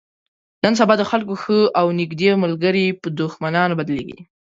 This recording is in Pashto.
نن سبا د خلکو ښه او نیږدې ملګري په دښمنانو بدلېږي.